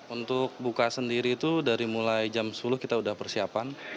untuk buka sendiri itu dari mulai jam sepuluh kita sudah persiapan